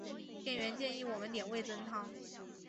店员建议我们点味噌汤